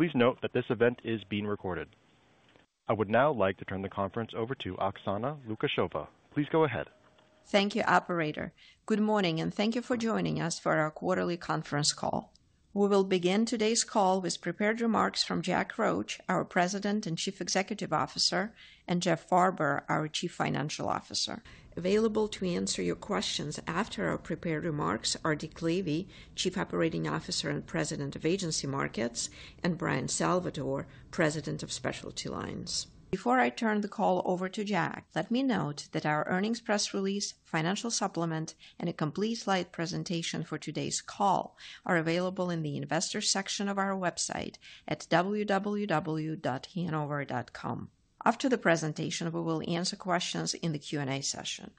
Please note that this event is being recorded. I would now like to turn the conference over to Oksana Lukasheva. Please go ahead. Thank you, Operator. Good morning, and thank you for joining us for our quarterly conference call. We will begin today's call with prepared remarks from Jack Roche, our President and Chief Executive Officer, and Jeff Farber, our Chief Financial Officer. Available to answer your questions after our prepared remarks are Dick Lavey, Chief Operating Officer and President of Agency Markets, and Bryan Salvatore, President of Specialty Lines. Before I turn the call over to Jack, let me note that our earnings press release, financial supplement, and a complete slide presentation for today's call are available in the investor section of our website at www.hanover.com. After the presentation, we will answer questions in the Q&A session.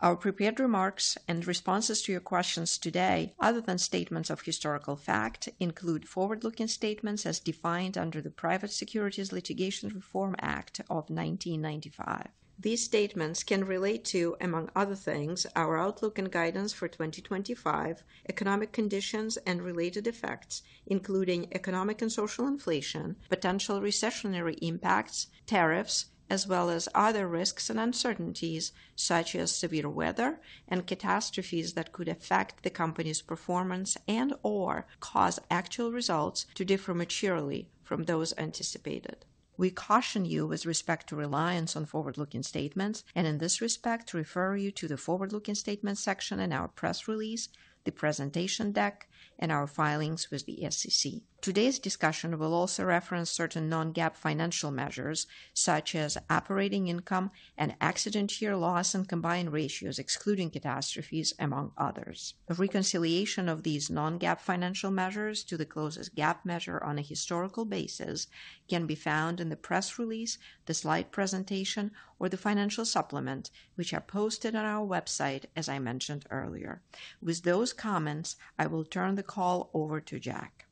Our prepared remarks and responses to your questions today, other than statements of historical fact, include forward-looking statements as defined under the Private Securities Litigation Reform Act of 1995. These statements can relate to, among other things, our outlook and guidance for 2025, economic conditions and related effects, including economic and social inflation, potential recessionary impacts, tariffs, as well as other risks and uncertainties such as severe weather and catastrophes that could affect the company's performance and/or cause actual results to differ materially from those anticipated. We caution you with respect to reliance on forward-looking statements, and in this respect, refer you to the forward-looking statements section in our press release, the presentation deck, and our filings with the SEC. Today's discussion will also reference certain non-GAAP financial measures such as operating income and accident-year loss and combined ratios, excluding catastrophes, among others. A reconciliation of these non-GAAP financial measures to the closest GAAP measure on a historical basis can be found in the press release, the slide presentation, or the financial supplement, which are posted on our website, as I mentioned earlier. With those, I will turn the call over to Jack.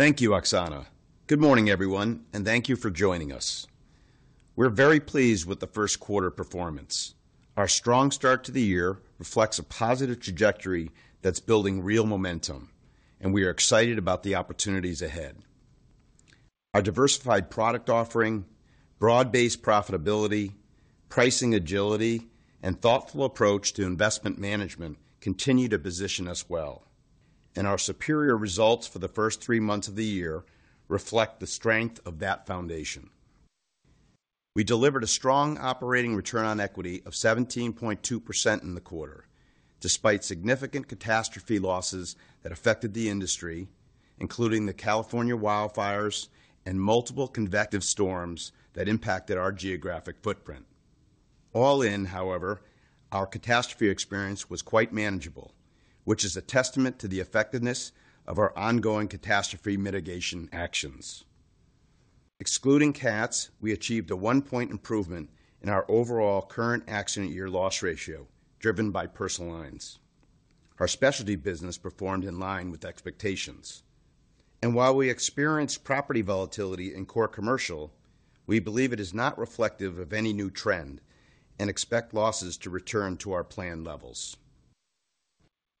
Thank you, Oksana. Good morning, everyone, and thank you for joining us. We're very pleased with the Q1 performance. Our strong start to the year reflects a positive trajectory that's building real momentum, and we are excited about the opportunities ahead. Our diversified product offering, broad-based profitability, pricing agility, and thoughtful approach to investment management continue to position us well, and our superior results for the first three months of the year reflect the strength of that foundation. We delivered a strong operating return on equity of 17.2% in the quarter, despite significant catastrophe losses that affected the industry, including the California wildfires and multiple convective storms that impacted our geographic footprint. All in, however, our catastrophe experience was quite manageable, which is a testament to the effectiveness of our ongoing catastrophe mitigation actions. Excluding CATs, we achieved a one-point improvement in our overall current accident-year loss ratio, driven by personal lines. Our specialty business performed in line with expectations. While we experience property volatility in core commercial, we believe it is not reflective of any new trend and expect losses to return to our planned levels.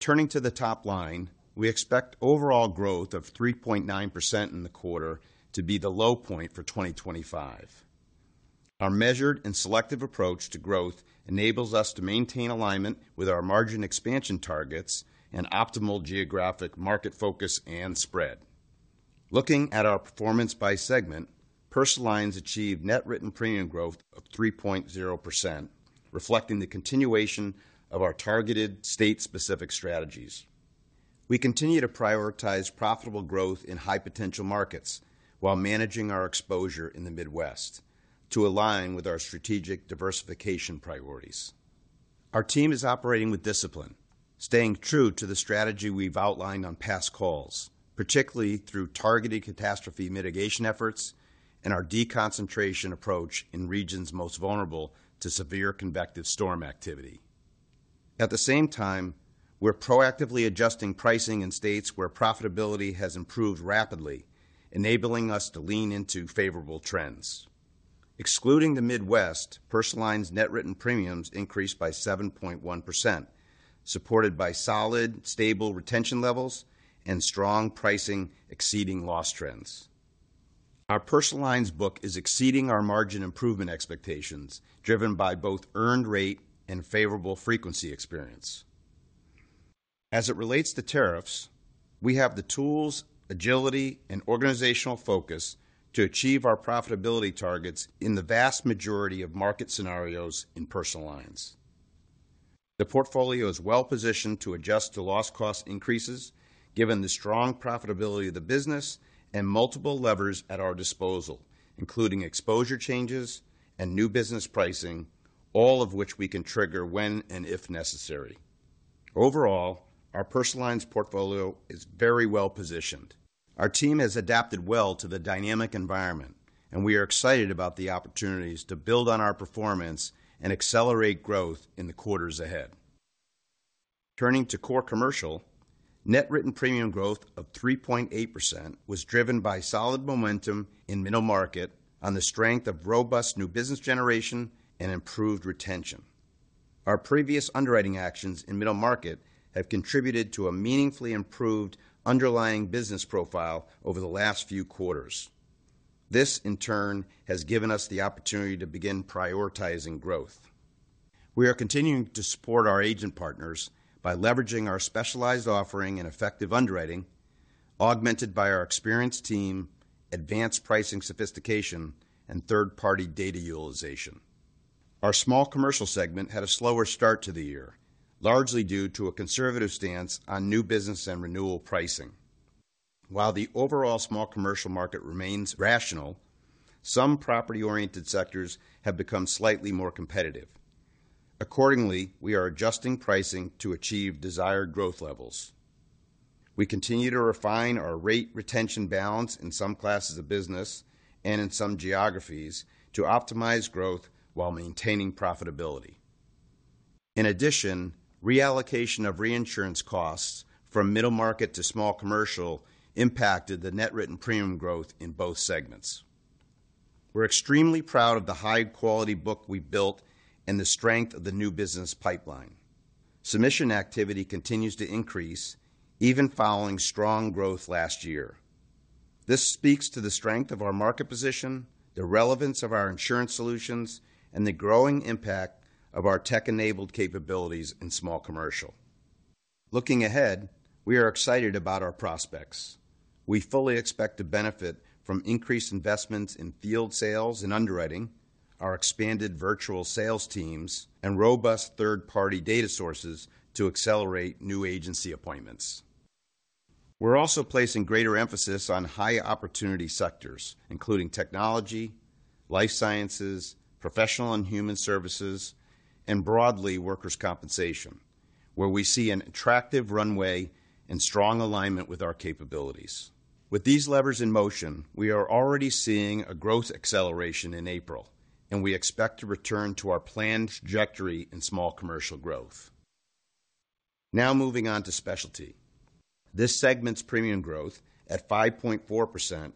Turning to the top line, we expect overall growth of 3.9% in the quarter to be the low point for 2025. Our measured and selective approach to growth enables us to maintain alignment with our margin expansion targets and optimal geographic market focus and spread. Looking at our performance by segment, personal lines achieved net written premium growth of 3.0%, reflecting the continuation of our targeted state-specific strategies. We continue to prioritize profitable growth in high-potential markets while managing our exposure in the Midwest to align with our strategic diversification priorities. Our team is operating with discipline, staying true to the strategy we've outlined on past calls, particularly through targeted catastrophe mitigation efforts and our deconcentration approach in regions most vulnerable to severe convective storm activity. At the same time, we're proactively adjusting pricing in states where profitability has improved rapidly, enabling us to lean into favorable trends. Excluding the Midwest, personal lines net written premiums increased by 7.1%, supported by solid, stable retention levels and strong pricing exceeding loss trends. Our personal lines book is exceeding our margin improvement expectations, driven by both earned rate and favorable frequency experience. As it relates to tariffs, we have the tools, agility, and organizational focus to achieve our profitability targets in the vast majority of market scenarios in personal lines. The portfolio is well-positioned to adjust to loss-cost increases, given the strong profitability of the business and multiple levers at our disposal, including exposure changes and new business pricing, all of which we can trigger when and if necessary. Overall, our personal lines portfolio is very well-positioned. Our team has adapted well to the dynamic environment, and we are excited about the opportunities to build on our performance and accelerate growth in the quarters ahead. Turning to core commercial, net written premium growth of 3.8% was driven by solid momentum in middle market on the strength of robust new business generation and improved retention. Our previous underwriting actions in middle market have contributed to a meaningfully improved underlying business profile over the last few quarters. This, in turn, has given us the opportunity to begin prioritizing growth. We are continuing to support our agent partners by leveraging our specialized offering and effective underwriting, augmented by our experienced team, advanced pricing sophistication, and third-party data utilization. Our small commercial segment had a slower start to the year, largely due to a conservative stance on new business and renewal pricing. While the overall small commercial market remains rational, some property-oriented sectors have become slightly more competitive. Accordingly, we are adjusting pricing to achieve desired growth levels. We continue to refine our rate retention balance in some classes of business and in some geographies to optimize growth while maintaining profitability. In addition, reallocation of reinsurance costs from middle market to small commercial impacted the net written premium growth in both segments. We're extremely proud of the high-quality book we built and the strength of the new business pipeline. Submission activity continues to increase, even following strong growth last year. This speaks to the strength of our market position, the relevance of our insurance solutions, and the growing impact of our tech-enabled capabilities in small commercial. Looking ahead, we are excited about our prospects. We fully expect to benefit from increased investments in field sales and underwriting, our expanded virtual sales teams, and robust third-party data sources to accelerate new agency appointments. We're also placing greater emphasis on high-opportunity sectors, including technology, life sciences, professional and human services, and broadly workers' compensation, where we see an attractive runway and strong alignment with our capabilities. With these levers in motion, we are already seeing a growth acceleration in April, and we expect to return to our planned trajectory in small commercial growth. Now moving on to specialty. This segment's premium growth at 5.4%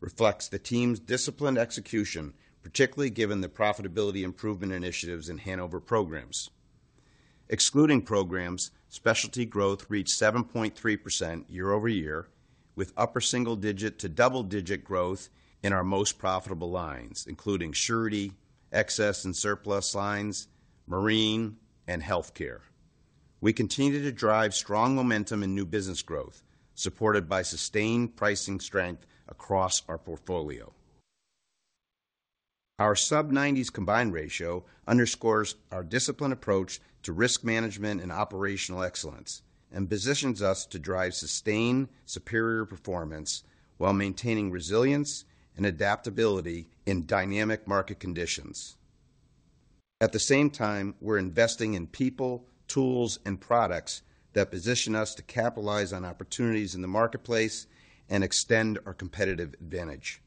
reflects the team's disciplined execution, particularly given the profitability improvement initiatives in Hanover programs. Excluding programs, specialty growth reached 7.3% year-over-year, with upper single-digit to double-digit growth in our most profitable lines, including surety, excess and surplus lines, marine, and healthcare. We continue to drive strong momentum in new business growth, supported by sustained pricing strength across our portfolio. Our sub-90s combined ratio underscores our disciplined approach to risk management and operational excellence and positions us to drive sustained superior performance while maintaining resilience and adaptability in dynamic market conditions. At the same time, we're investing in people, tools, and products that position us to capitalize on opportunities in the marketplace and extend our competitive advantage.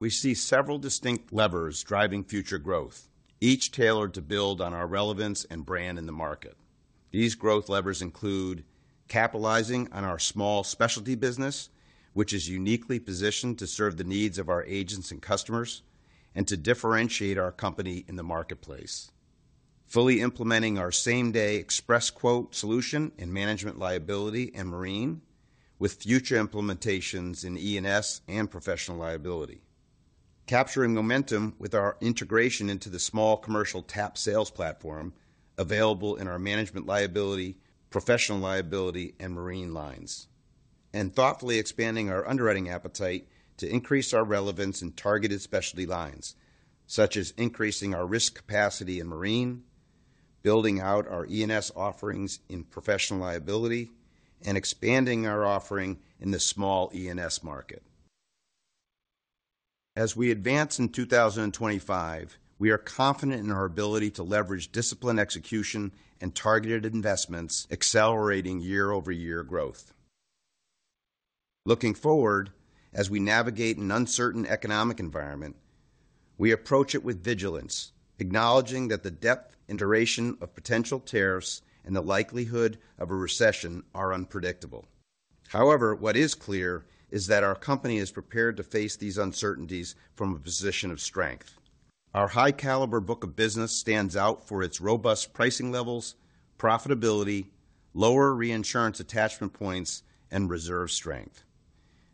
We see several distinct levers driving future growth, each tailored to build on our relevance and brand in the market. These growth levers include capitalizing on our small specialty business, which is uniquely positioned to serve the needs of our agents and customers and to differentiate our company in the marketplace, fully implementing our same-day express quote solution in management liability and marine, with future implementations in E&S and professional liability, capturing momentum with our integration into the small commercial TAP sales platform available in our management liability, professional liability, and marine lines, and thoughtfully expanding our underwriting appetite to increase our relevance in targeted specialty lines, such as increasing our risk capacity in marine, building out our E&S offerings in professional liability, and expanding our offering in the small E&S market. As we advance in 2025, we are confident in our ability to leverage disciplined execution and targeted investments, accelerating year-over-year growth. Looking forward, as we navigate an uncertain economic environment, we approach it with vigilance, acknowledging that the depth and duration of potential tariffs and the likelihood of a recession are unpredictable. However, what is clear is that our company is prepared to face these uncertainties from a position of strength. Our high-caliber book of business stands out for its robust pricing levels, profitability, lower reinsurance attachment points, and reserve strength.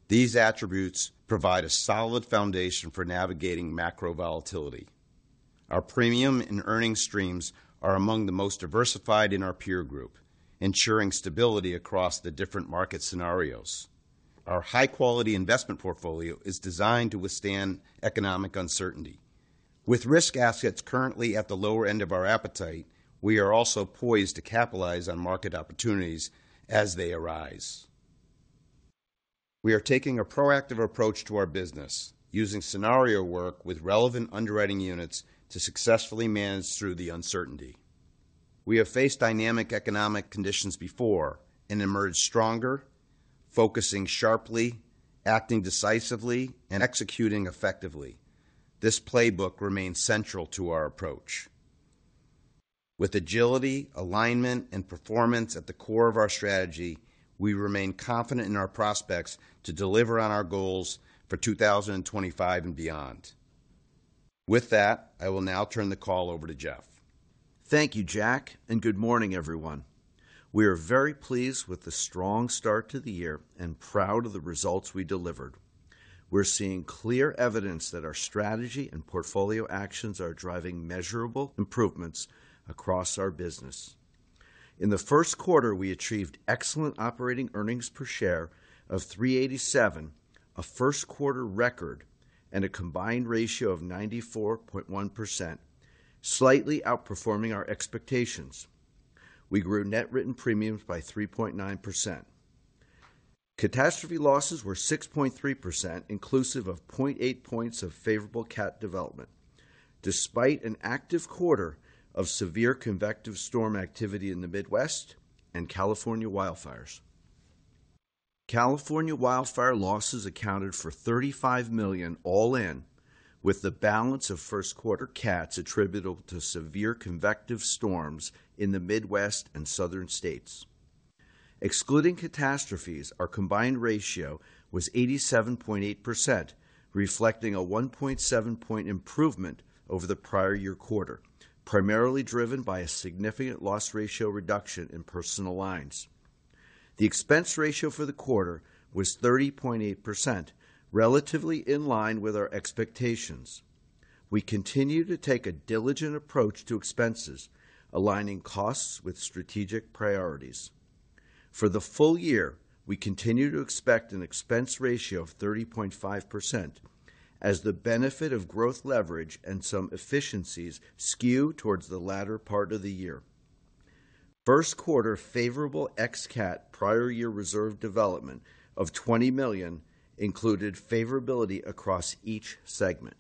These attributes provide a solid foundation for navigating macro volatility. Our premium and earnings streams are among the most diversified in our peer group, ensuring stability across the different market scenarios. Our high-quality investment portfolio is designed to withstand economic uncertainty. With risk assets currently at the lower end of our appetite, we are also poised to capitalize on market opportunities as they arise. We are taking a proactive approach to our business, using scenario work with relevant underwriting units to successfully manage through the uncertainty. We have faced dynamic economic conditions before and emerged stronger, focusing sharply, acting decisively, and executing effectively. This playbook remains central to our approach. With agility, alignment, and performance at the core of our strategy, we remain confident in our prospects to deliver on our goals for 2025 and beyond. With that, I will now turn the call over to Jeff. Thank you, Jack, and good morning, everyone. We are very pleased with the strong start to the year and proud of the results we delivered. We're seeing clear evidence that our strategy and portfolio actions are driving measurable improvements across our business. In the Q1, we achieved excellent operating earnings per share of $3.87, a Q1 record, and a combined ratio of 94.1%, slightly outperforming our expectations. We grew net written premiums by 3.9%. Catastrophe losses were 6.3%, inclusive of 0.8 points of favorable CAT development, despite an active quarter of severe convective storm activity in the Midwest and California wildfires. California wildfire losses accounted for $35 million all in, with the balance of Q1 CATs attributable to severe convective storms in the Midwest and southern states. Excluding catastrophes, our combined ratio was 87.8%, reflecting a 1.7-point improvement over the prior year quarter, primarily driven by a significant loss ratio reduction in personal lines. The expense ratio for the quarter was 30.8%, relatively in line with our expectations. We continue to take a diligent approach to expenses, aligning costs with strategic priorities. For the full year, we continue to expect an expense ratio of 30.5%, as the benefit of growth leverage and some efficiencies skew towards the latter part of the year. Q1 favorable ex-CAT prior year reserve development of $20 million included favorability across each segment.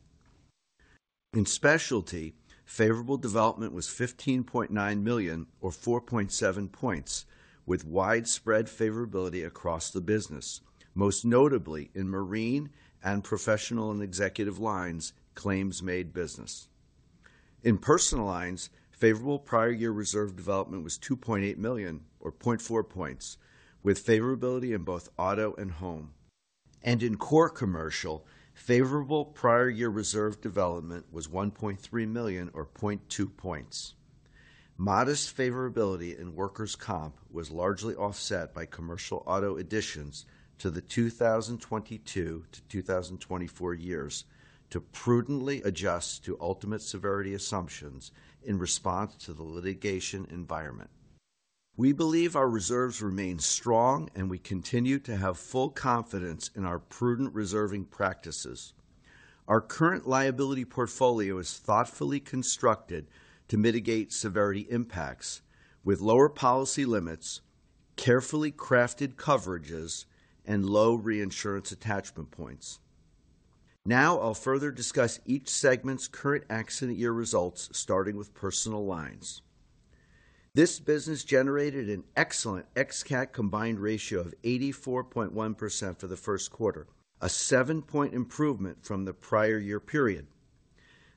In specialty, favorable development was $15.9 million, or 4.7 points, with widespread favorability across the business, most notably in marine and professional and executive lines, claims-made business. In personal lines, favorable prior year reserve development was $2.8 million, or 0.4 points, with favorability in both auto and home. In core commercial, favorable prior year reserve development was $1.3 million, or 0.2 points. Modest favorability in workers' comp was largely offset by commercial auto additions to the 2022 to 2024 years to prudently adjust to ultimate severity assumptions in response to the litigation environment. We believe our reserves remain strong, and we continue to have full confidence in our prudent reserving practices. Our current liability portfolio is thoughtfully constructed to mitigate severity impacts, with lower policy limits, carefully crafted coverages, and low reinsurance attachment points. Now I'll further discuss each segment's current accident year results, starting with personal lines. This business generated an excellent ex-CAT combined ratio of 84.1% for the Q1, a 7-point improvement from the prior year period.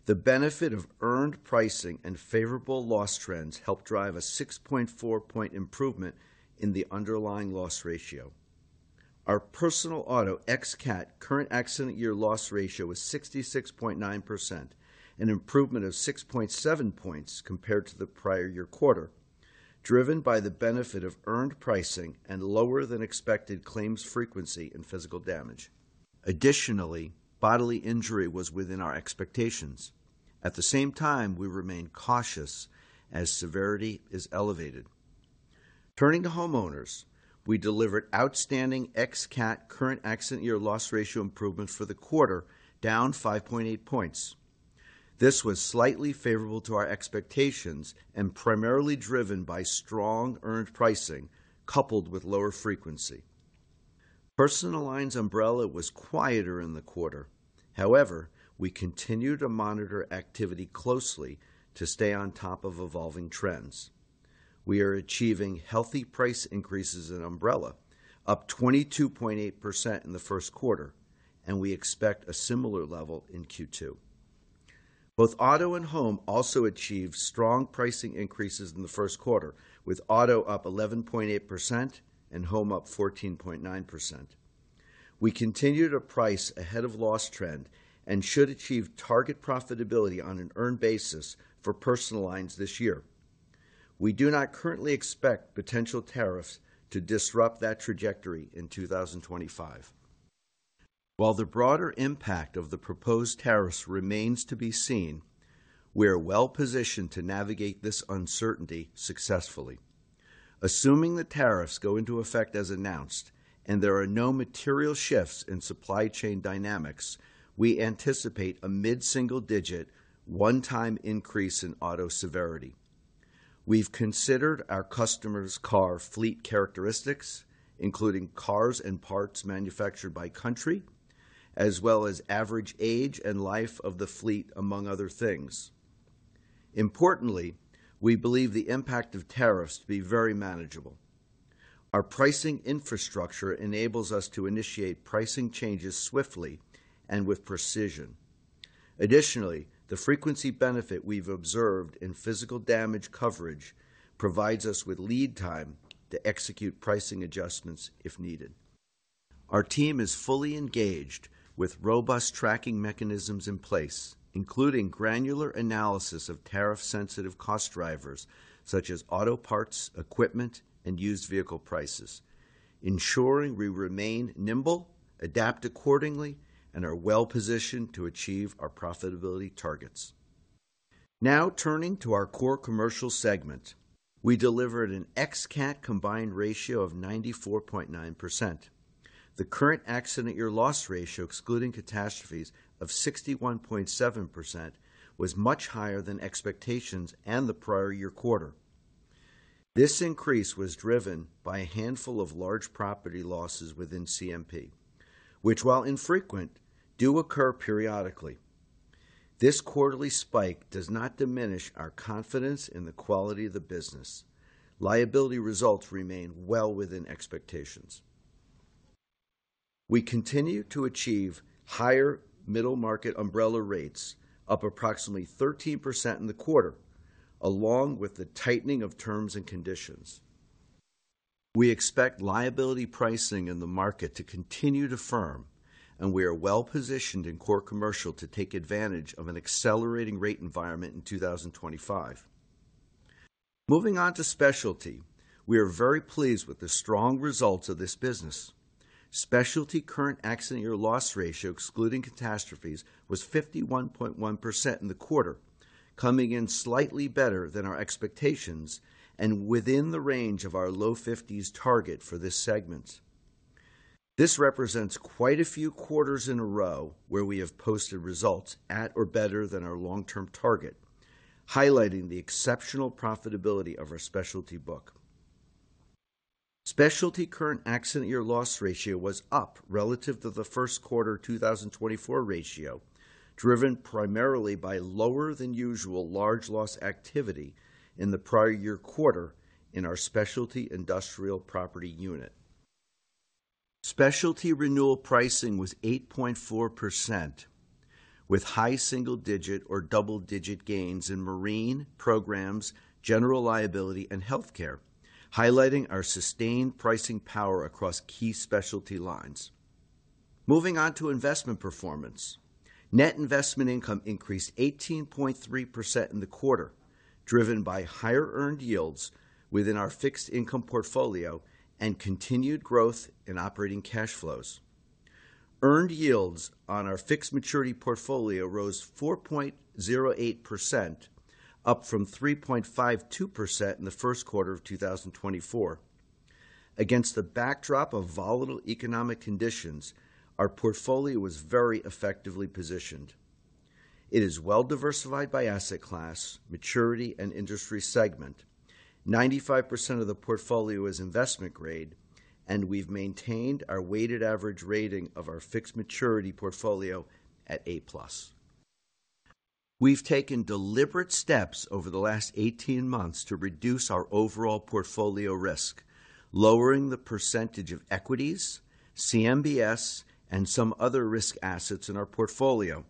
The benefit of earned pricing and favorable loss trends helped drive a 6.4-point improvement in the underlying loss ratio. Our personal auto ex-CAT current accident year loss ratio was 66.9%, an improvement of 6.7 points compared to the prior year quarter, driven by the benefit of earned pricing and lower-than-expected claims frequency and physical damage. Additionally, bodily injury was within our expectations. At the same time, we remain cautious as severity is elevated. Turning to homeowners, we delivered outstanding ex-CAT current accident year loss ratio improvement for the quarter, down 5.8 points. This was slightly favorable to our expectations and primarily driven by strong earned pricing coupled with lower frequency. Personal lines umbrella was quieter in the quarter. However, we continue to monitor activity closely to stay on top of evolving trends. We are achieving healthy price increases in umbrella, up 22.8% in the Q1, and we expect a similar level in Q2. Both auto and home also achieved strong pricing increases in the Q1, with auto up 11.8% and home up 14.9%. We continue to price ahead of loss trend and should achieve target profitability on an earned basis for personal lines this year. We do not currently expect potential tariffs to disrupt that trajectory in 2025. While the broader impact of the proposed tariffs remains to be seen, we are well-positioned to navigate this uncertainty successfully. Assuming the tariffs go into effect as announced and there are no material shifts in supply chain dynamics, we anticipate a mid-single-digit, one-time increase in auto severity. We've considered our customers' car fleet characteristics, including cars and parts manufactured by country, as well as average age and life of the fleet, among other things. Importantly, we believe the impact of tariffs to be very manageable. Our pricing infrastructure enables us to initiate pricing changes swiftly and with precision. Additionally, the frequency benefit we've observed in physical damage coverage provides us with lead time to execute pricing adjustments if needed. Our team is fully engaged with robust tracking mechanisms in place, including granular analysis of tariff-sensitive cost drivers such as auto parts, equipment, and used vehicle prices, ensuring we remain nimble, adapt accordingly, and are well-positioned to achieve our profitability targets. Now turning to our core commercial segment, we delivered an ex-CAT combined ratio of 94.9%. The current accident year loss ratio, excluding catastrophes, of 61.7% was much higher than expectations and the prior year quarter. This increase was driven by a handful of large property losses within CMP, which, while infrequent, do occur periodically. This quarterly spike does not diminish our confidence in the quality of the business. Liability results remain well within expectations. We continue to achieve higher middle-market umbrella rates, up approximately 13% in the quarter, along with the tightening of terms and conditions. We expect liability pricing in the market to continue to firm, and we are well-positioned in core commercial to take advantage of an accelerating rate environment in 2025. Moving on to specialty, we are very pleased with the strong results of this business. Specialty current accident year loss ratio, excluding catastrophes, was 51.1% in the quarter, coming in slightly better than our expectations and within the range of our low 50s target for this segment. This represents quite a few quarters in a row where we have posted results at or better than our long-term target, highlighting the exceptional profitability of our specialty book. Specialty current accident year loss ratio was up relative to the Q1 2024 ratio, driven primarily by lower-than-usual large loss activity in the prior year quarter in our specialty industrial property unit. Specialty renewal pricing was 8.4%, with high single-digit or double-digit gains in marine, programs, general liability, and healthcare, highlighting our sustained pricing power across key specialty lines. Moving on to investment performance, net investment income increased 18.3% in the quarter, driven by higher earned yields within our fixed income portfolio and continued growth in operating cash flows. Earned yields on our fixed maturity portfolio rose 4.08%, up from 3.52% in the Q1 of 2024. Against the backdrop of volatile economic conditions, our portfolio was very effectively positioned. It is well-diversified by asset class, maturity, and industry segment. 95% of the portfolio is investment grade, and we've maintained our weighted average rating of our fixed maturity portfolio at A+. We've taken deliberate steps over the last 18 months to reduce our overall portfolio risk, lowering the percentage of equities, CMBS, and some other risk assets in our portfolio.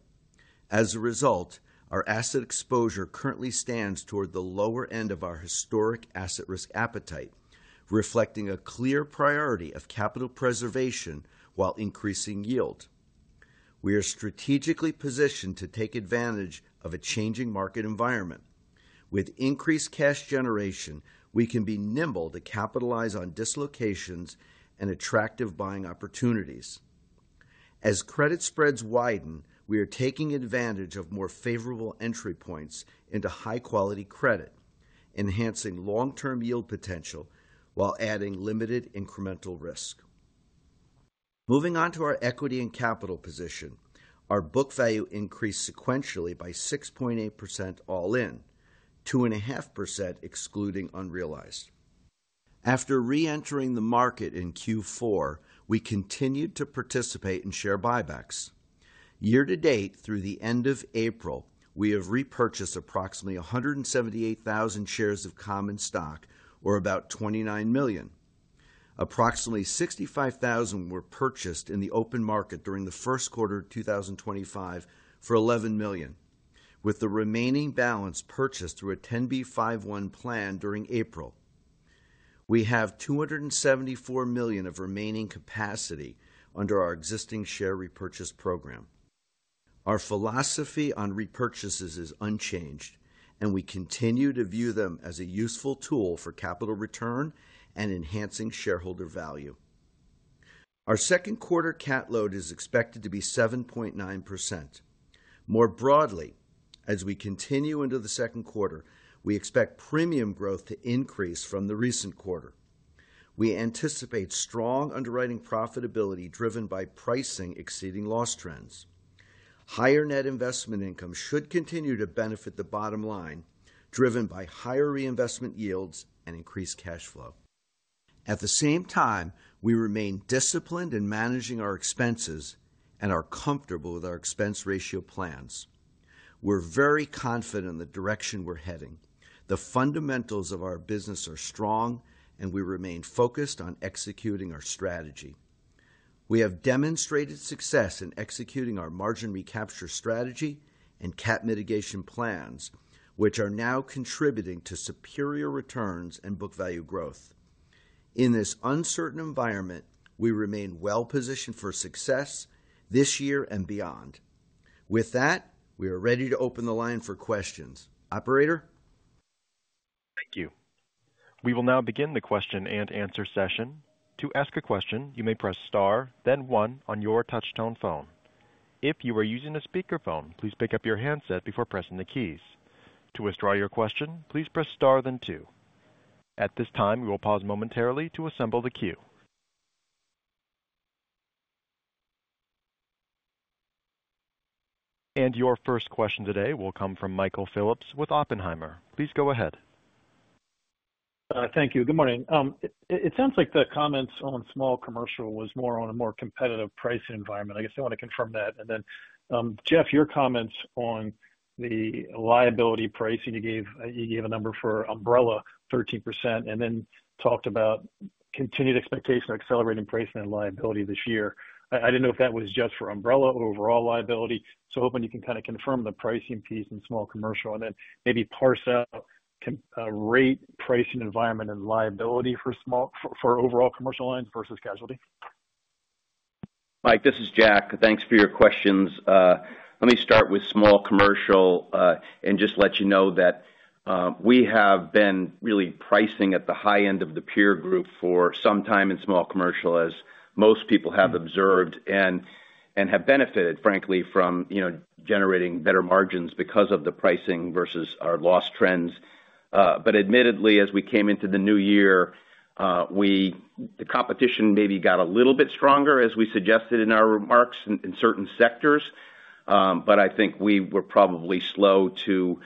As a result, our asset exposure currently stands toward the lower end of our historic asset risk appetite, reflecting a clear priority of capital preservation while increasing yield. We are strategically positioned to take advantage of a changing market environment. With increased cash generation, we can be nimble to capitalize on dislocations and attractive buying opportunities. As credit spreads widen, we are taking advantage of more favorable entry points into high-quality credit, enhancing long-term yield potential while adding limited incremental risk. Moving on to our equity and capital position, our book value increased sequentially by 6.8% all in, 2.5% excluding unrealized. After re-entering the market in Q4, we continued to participate in share buybacks. Year-to-date, through the end of April, we have repurchased approximately 178,000 shares of common stock, or about $29 million. Approximately 65,000 were purchased in the open market during the Q1 of 2025 for $11 million, with the remaining balance purchased through a 10B51 plan during April. We have $274 million of remaining capacity under our existing share repurchase program. Our philosophy on repurchases is unchanged, and we continue to view them as a useful tool for capital return and enhancing shareholder value. Our second quarter CAT load is expected to be 7.9%. More broadly, as we continue into the second quarter, we expect premium growth to increase from the recent quarter. We anticipate strong underwriting profitability driven by pricing exceeding loss trends. Higher net investment income should continue to benefit the bottom line, driven by higher reinvestment yields and increased cash flow. At the same time, we remain disciplined in managing our expenses and are comfortable with our expense ratio plans. We're very confident in the direction we're heading. The fundamentals of our business are strong, and we remain focused on executing our strategy. We have demonstrated success in executing our margin recapture strategy and CAT mitigation plans, which are now contributing to superior returns and book value growth. In this uncertain environment, we remain well-positioned for success this year and beyond. With that, we are ready to open the line for questions. Operator? Thank you. We will now begin the question and answer session. To ask a question, you may press star, then one on your touch-tone phone. If you are using a speakerphone, please pick up your handset before pressing the keys. To withdraw your question, please press star, then two. At this time, we will pause momentarily to assemble the queue. Your first question today will come from Michael Phillips with Oppenheimer. Please go ahead. Thank you. Good morning. It sounds like the comments on small commercial was more on a more competitive pricing environment. I guess I want to confirm that. Jeff, your comments on the liability pricing, you gave a number for umbrella 13% and then talked about continued expectation of accelerating pricing and liability this year. I did not know if that was just for umbrella or overall liability. Hoping you can kind of confirm the pricing piece in small commercial and then maybe parse out rate pricing environment and liability for overall commercial lines versus casualty. Mike, this is Jack. Thanks for your questions. Let me start with small commercial and just let you know that we have been really pricing at the high end of the peer group for some time in small commercial, as most people have observed, and have benefited, frankly, from generating better margins because of the pricing versus our loss trends. Admittedly, as we came into the new year, the competition maybe got a little bit stronger, as we suggested in our remarks in certain sectors. I think we were probably slow to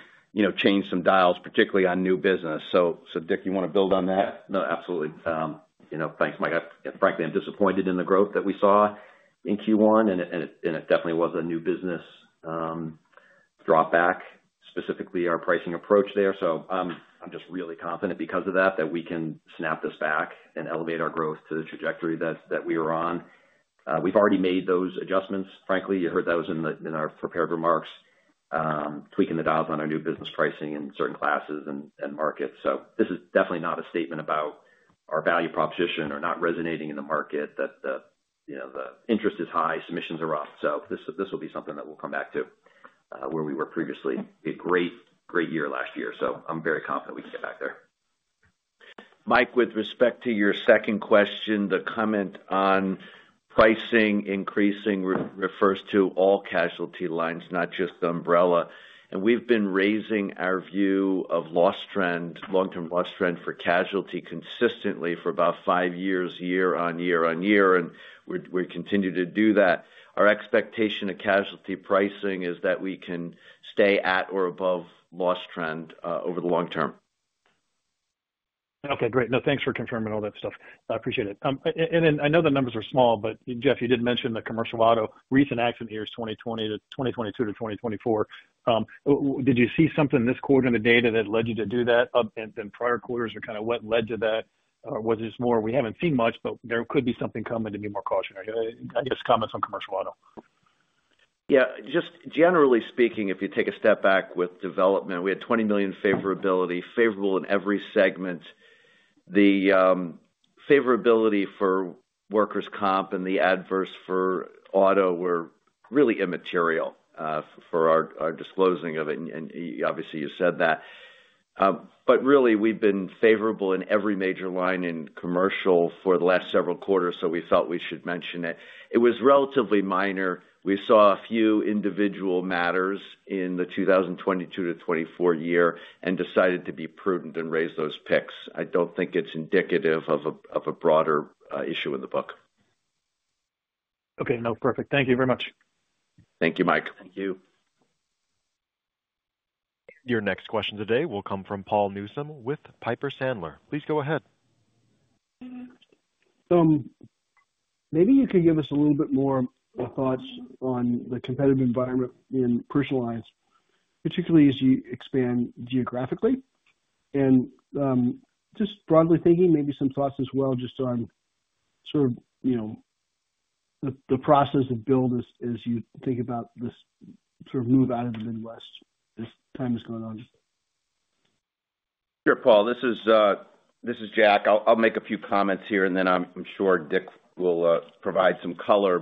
change some dials, particularly on new business. Dick, you want to build on that? No, absolutely. Thanks, Mike. Frankly, I'm disappointed in the growth that we saw in Q1, and it definitely was a new business dropback, specifically our pricing approach there. I'm just really confident because of that that we can snap this back and elevate our growth to the trajectory that we are on. We've already made those adjustments. Frankly, you heard those in our prepared remarks, tweaking the dials on our new business pricing in certain classes and markets. This is definitely not a statement about our value proposition or not resonating in the market, that the interest is high, submissions are up. This will be something that we'll come back to where we were previously. We had a great, great year last year. I'm very confident we can get back there. Mike, with respect to your second question, the comment on pricing increasing refers to all casualty lines, not just the umbrella. We have been raising our view of long-term loss trend for casualty consistently for about five years, year on year on year, and we continue to do that. Our expectation of casualty pricing is that we can stay at or above loss trend over the long term. Okay, great. No, thanks for confirming all that stuff. I appreciate it. I know the numbers are small, but Jeff, you did mention the commercial auto recent action here is 2022 to 2024. Did you see something this quarter in the data that led you to do that? Prior quarters are kind of what led to that? Or was it just more we have not seen much, but there could be something coming to be more cautionary? I guess comments on commercial auto. Yeah, just generally speaking, if you take a step back with development, we had $20 million favorability, favorable in every segment. The favorability for workers' comp and the adverse for auto were really immaterial for our disclosing of it. Obviously, you said that. Really, we've been favorable in every major line in commercial for the last several quarters, so we felt we should mention it. It was relatively minor. We saw a few individual matters in the 2022 to 2024 year and decided to be prudent and raise those picks. I don't think it's indicative of a broader issue in the book. Okay, no, perfect. Thank you very much. Thank you, Mike. Thank you. Your next question today will come from Paul Newsome with Piper Sandler. Please go ahead. Maybe you could give us a little bit more thoughts on the competitive environment in commercial lines, particularly as you expand geographically. Just broadly thinking, maybe some thoughts as well just on sort of the process of build as you think about this sort of move out of the Midwest as time has gone on. Sure, Paul. This is Jack. I'll make a few comments here, and then I'm sure Dick will provide some color.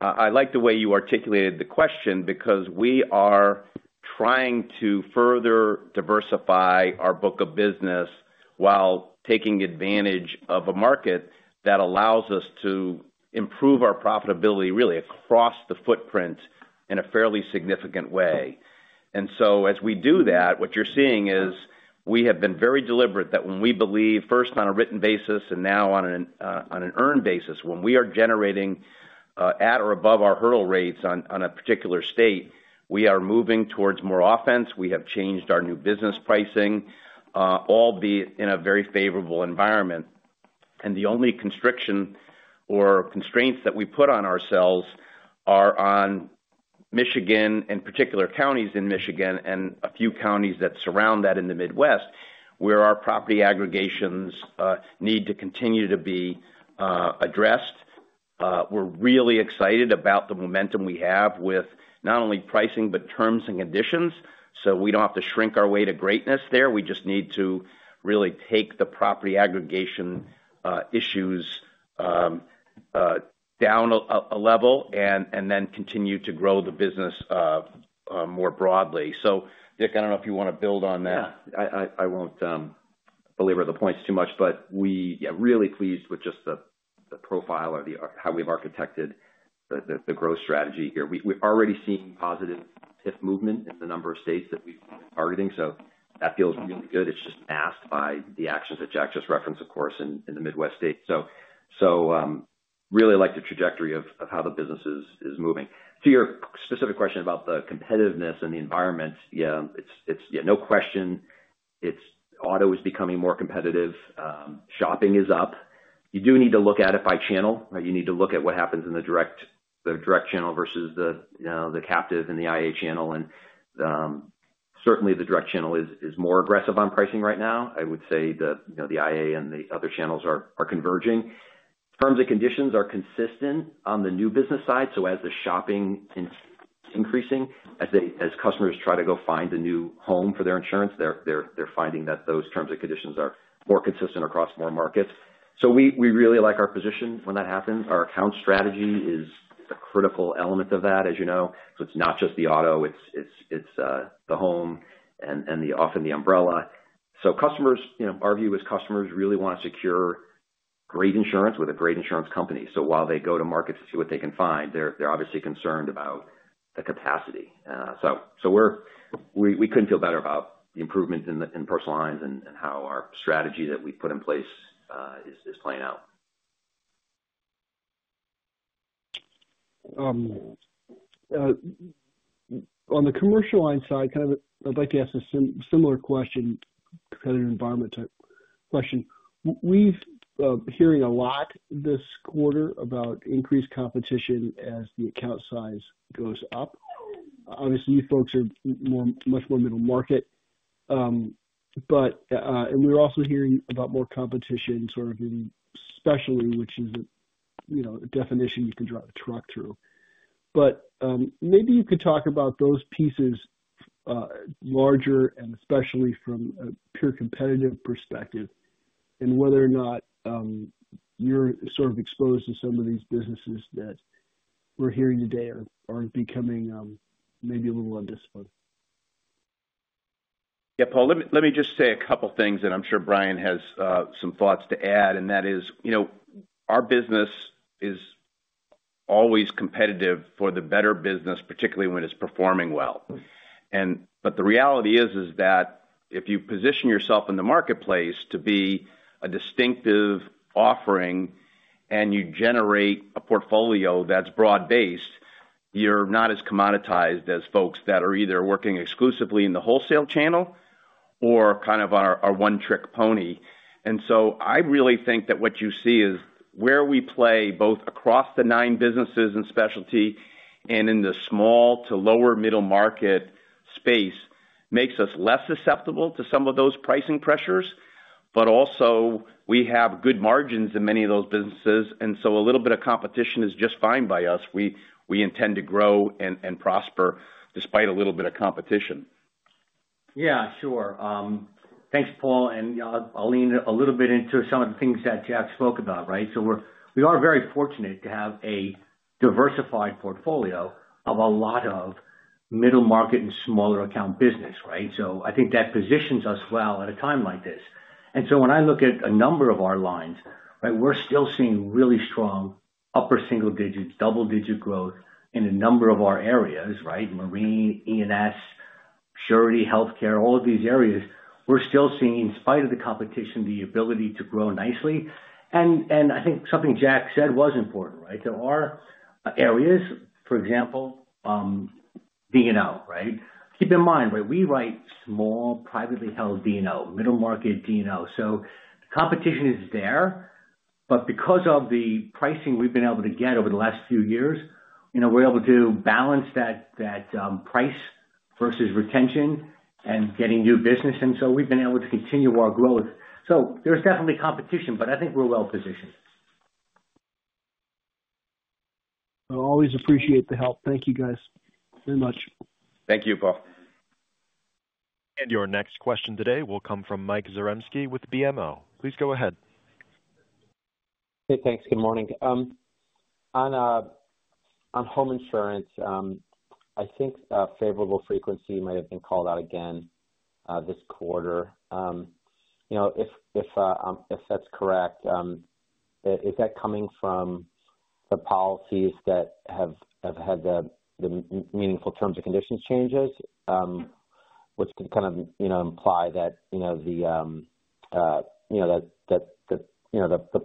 I like the way you articulated the question because we are trying to further diversify our book of business while taking advantage of a market that allows us to improve our profitability really across the footprint in a fairly significant way. As we do that, what you're seeing is we have been very deliberate that when we believe first on a written basis and now on an earned basis, when we are generating at or above our hurdle rates on a particular state, we are moving towards more offense. We have changed our new business pricing, albeit in a very favorable environment. The only constriction or constraints that we put on ourselves are on Michigan and particular counties in Michigan and a few counties that surround that in the Midwest where our property aggregations need to continue to be addressed. We're really excited about the momentum we have with not only pricing but terms and conditions. We do not have to shrink our way to greatness there. We just need to really take the property aggregation issues down a level and then continue to grow the business more broadly. Dick, I do not know if you want to build on that. Yeah, I will not belabor the points too much, but we are really pleased with just the profile or how we have architected the growth strategy here. We are already seeing positive shift movement in the number of states that we have been targeting. That feels really good. It is just masked by the actions that Jack just referenced, of course, in the Midwest state. I really like the trajectory of how the business is moving. To your specific question about the competitiveness and the environment, yeah, no question. Auto is becoming more competitive. Shopping is up. You do need to look at it by channel. You need to look at what happens in the direct channel versus the captive and the IA channel. Certainly, the direct channel is more aggressive on pricing right now. I would say the IA and the other channels are converging. Terms and conditions are consistent on the new business side. As the shopping is increasing, as customers try to go find a new home for their insurance, they are finding that those terms and conditions are more consistent across more markets. We really like our position when that happens. Our account strategy is a critical element of that, as you know. It is not just the auto. It is the home and often the umbrella. Our view is customers really want to secure great insurance with a great insurance company. While they go to market to see what they can find, they are obviously concerned about the capacity. We couldn't feel better about the improvement in personal lines and how our strategy that we've put in place is playing out. On the commercial line side, I'd like to ask a similar question, competitive environment type question. We're hearing a lot this quarter about increased competition as the account size goes up. Obviously, you folks are much more middle market. We're also hearing about more competition, sort of especially, which is a definition you can drive a truck through. Maybe you could talk about those pieces larger and especially from a pure competitive perspective and whether or not you're sort of exposed to some of these businesses that we're hearing today are becoming maybe a little undisciplined. Yeah, Paul, let me just say a couple of things, and I'm sure Bryan has some thoughts to add. That is, our business is always competitive for the better business, particularly when it's performing well. The reality is that if you position yourself in the marketplace to be a distinctive offering and you generate a portfolio that's broad-based, you're not as commoditized as folks that are either working exclusively in the wholesale channel or kind of are one-trick pony. I really think that what you see is where we play both across the nine businesses and specialty and in the small to lower middle market space makes us less susceptible to some of those pricing pressures. We have good margins in many of those businesses. A little bit of competition is just fine by us. We intend to grow and prosper despite a little bit of competition. Yeah, sure. Thanks, Paul. I'll lean a little bit into some of the things that Jack spoke about, right? We are very fortunate to have a diversified portfolio of a lot of middle market and smaller account business, right? I think that positions us well at a time like this. When I look at a number of our lines, we're still seeing really strong upper single-digit, double-digit growth in a number of our areas, right? Marine, E&S, surety, healthcare, all of these areas. We're still seeing, in spite of the competition, the ability to grow nicely. I think something Jack said was important, right? There are areas, for example, D&O, right? Keep in mind, we write small, privately held D&O, middle market D&O. The competition is there. Because of the pricing we've been able to get over the last few years, we're able to balance that price versus retention and getting new business. We've been able to continue our growth. There's definitely competition, but I think we're well positioned. I always appreciate the help. Thank you, guys, very much. Thank you, Paul. Your next question today will come from Mike Zaremski with BMO. Please go ahead. Hey, thanks. Good morning. On home insurance, I think favorable frequency might have been called out again this quarter. If that's correct, is that coming from the policies that have had the meaningful terms and conditions changes, which can kind of imply that the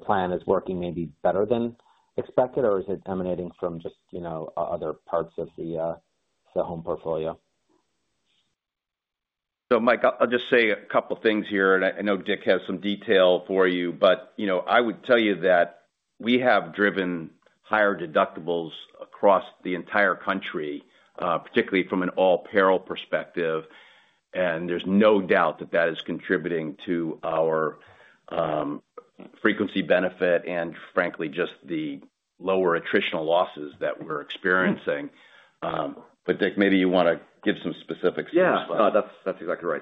plan is working maybe better than expected, or is it emanating from just other parts of the home portfolio? Mike, I'll just say a couple of things here. I know Dick has some detail for you, but I would tell you that we have driven higher deductibles across the entire country, particularly from an all-peril perspective. There is no doubt that that is contributing to our frequency benefit and, frankly, just the lower attritional losses that we're experiencing. Dick, maybe you want to give some specifics to this one. Yeah, no, that's exactly right.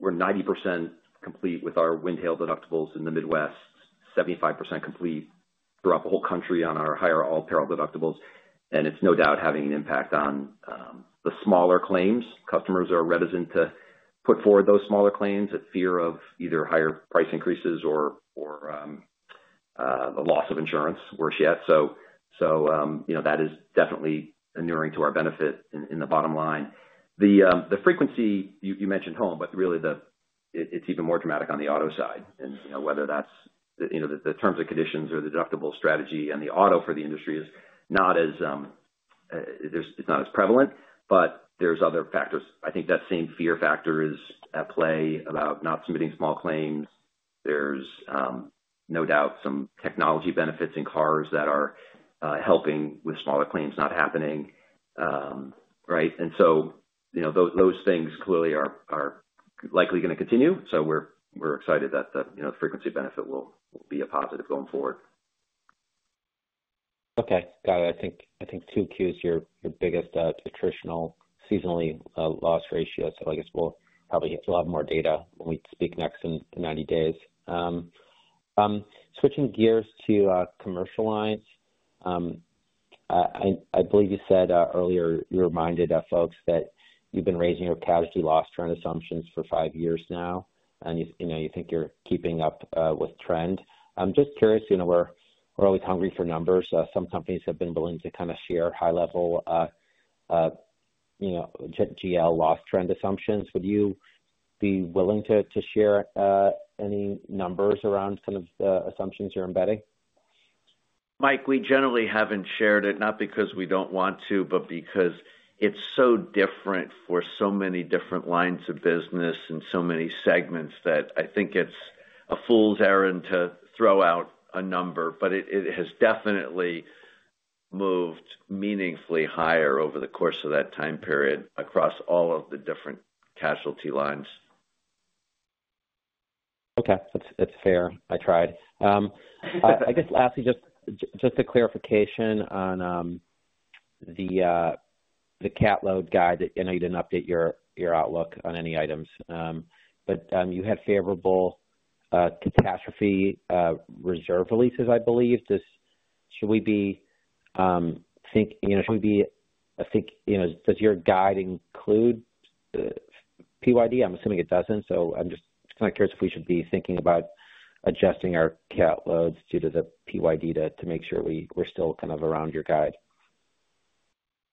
We're 90% complete with our wind tail deductibles in the Midwest, 75% complete throughout the whole country on our higher all-peril deductibles. It is no doubt having an impact on the smaller claims. Customers are reticent to put forward those smaller claims at fear of either higher price increases or the loss of insurance, worse yet. That is definitely inuring to our benefit in the bottom line. The frequency you mentioned home, but really it's even more dramatic on the auto side. Whether that's the terms and conditions or the deductible strategy and the auto for the industry is not as prevalent, but there's other factors. I think that same fear factor is at play about not submitting small claims. There's no doubt some technology benefits in cars that are helping with smaller claims not happening, right? Those things clearly are likely going to continue. We're excited that the frequency benefit will be a positive going forward. Okay, got it. I think Q2 is your biggest attritional seasonally loss ratios. I guess we'll probably have more data when we speak next in 90 days. Switching gears to commercial lines, I believe you said earlier you reminded folks that you've been raising your casualty loss trend assumptions for five years now, and you think you're keeping up with trend. I'm just curious. We're always hungry for numbers. Some companies have been willing to kind of share high-level GL loss trend assumptions. Would you be willing to share any numbers around kind of the assumptions you're embedding? Mike, we generally haven't shared it, not because we don't want to, but because it's so different for so many different lines of business and so many segments that I think it's a fool's errand to throw out a number. But it has definitely moved meaningfully higher over the course of that time period across all of the different casualty lines. Okay, that's fair. I tried. I guess lastly, just a clarification on the catload guide. I know you didn't update your outlook on any items, but you had favorable catastrophe reserve releases, I believe. Should we be thinking, should we be, I think, does your guide include PYD? I'm assuming it doesn't. I'm just kind of curious if we should be thinking about adjusting our catloads due to the PYD to make sure we're still kind of around your guide.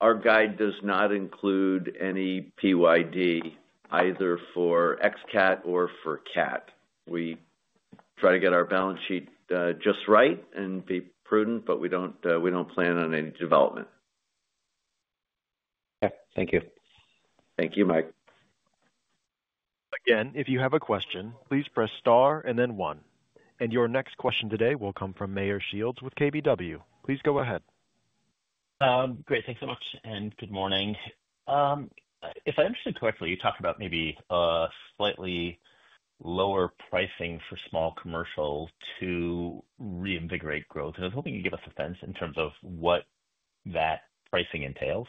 Our guide does not include any PYD, either for ex-CAT or for CAT. We try to get our balance sheet just right and be prudent, but we don't plan on any development. Okay, thank you. Thank you, Mike. Again, if you have a question, please press star and then one. Your next question today will come from Meyer Shields with KBW. Please go ahead. Great. Thanks so much. Good morning. If I understood correctly, you talked about maybe a slightly lower pricing for small commercial to reinvigorate growth. I was hoping you'd give us a sense in terms of what that pricing entails.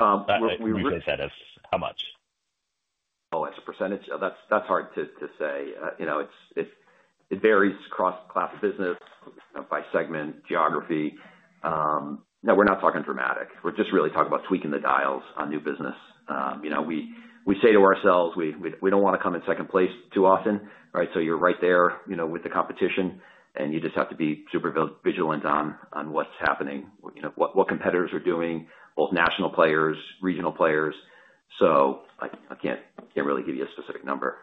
That would be. How much? Oh, it's a percentage. That's hard to say. It varies across class business, by segment, geography. No, we're not talking dramatic. We're just really talking about tweaking the dials on new business. We say to ourselves, we don't want to come in second place too often, right? You are right there with the competition, and you just have to be super vigilant on what's happening, what competitors are doing, both national players, regional players. I can't really give you a specific number.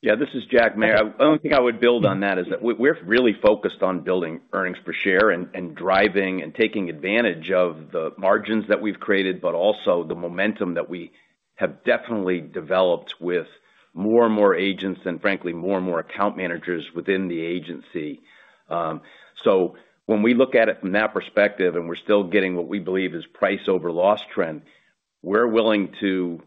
Yeah, this is Jack Roche. I don't think I would build on that. We're really focused on building earnings per share and driving and taking advantage of the margins that we've created, but also the momentum that we have definitely developed with more and more agents and, frankly, more and more account managers within the agency. When we look at it from that perspective, and we're still getting what we believe is price over loss trend, we're willing to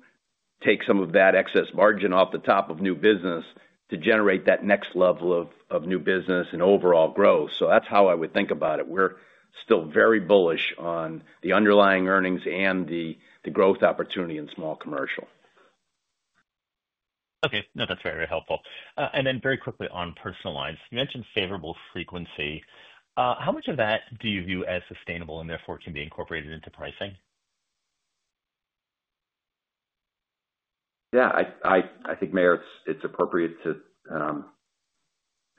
take some of that excess margin off the top of new business to generate that next level of new business and overall growth. That's how I would think about it. We're still very bullish on the underlying earnings and the growth opportunity in small commercial. Okay. No, that's very, very helpful. And then very quickly on personal lines, you mentioned favorable frequency. How much of that do you view as sustainable and therefore can be incorporated into pricing? Yeah, I think, Meyer, it's appropriate to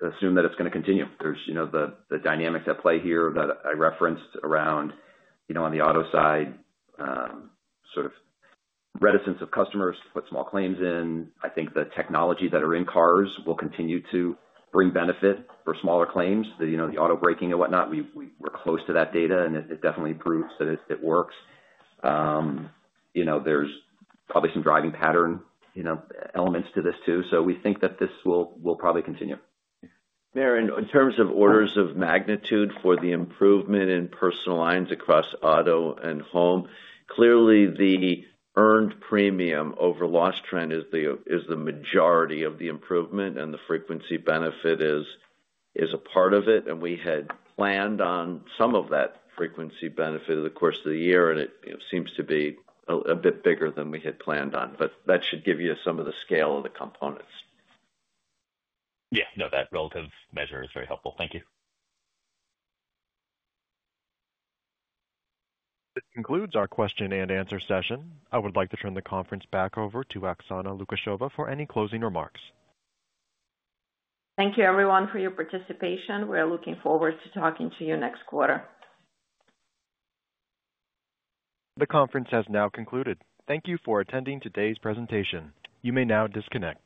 assume that it's going to continue. There's the dynamics at play here that I referenced around on the auto side, sort of reticence of customers to put small claims in. I think the technology that are in cars will continue to bring benefit for smaller claims, the auto braking and whatnot. We're close to that data, and it definitely proves that it works. There's probably some driving pattern elements to this too. We think that this will probably continue. Meyer, in terms of orders of magnitude for the improvement in personal lines across auto and home, clearly the earned premium over loss trend is the majority of the improvement, and the frequency benefit is a part of it. We had planned on some of that frequency benefit over the course of the year, and it seems to be a bit bigger than we had planned on. That should give you some of the scale of the components. Yeah, no, that relative measure is very helpful. Thank you. This concludes our question and answer session. I would like to turn the conference back over to Oksana Lukasheva for any closing remarks. Thank you, everyone, for your participation. We're looking forward to talking to you next quarter. The conference has now concluded. Thank you for attending today's presentation. You may now disconnect.